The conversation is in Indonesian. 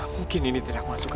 mungkin ini tidak masuk